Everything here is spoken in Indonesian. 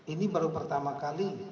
ini baru pertama kali